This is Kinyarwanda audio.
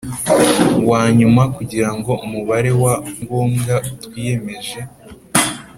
Wa nyuma kugira ngo umubare wa ngombwa twiyemeje